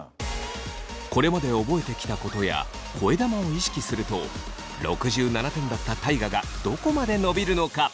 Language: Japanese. これまで覚えてきたことや声玉を意識すると６７点だった大我がどこまで伸びるのか？